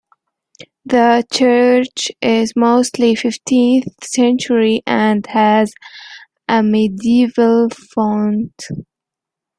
The church is mostly fifteenth century and has a medieval font.